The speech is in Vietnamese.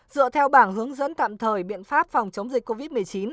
dựa theo bảng hướng dẫn tạm thời biện pháp phòng chống dịch covid một mươi chín